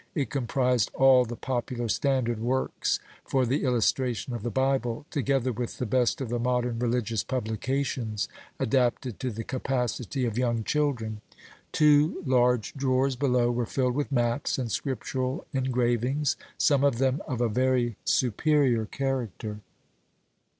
It comprised all the popular standard works for the illustration of the Bible, together with the best of the modern religious publications adapted to the capacity of young children. Two large drawers below were filled with maps and scriptural engravings, some of them of a very superior character.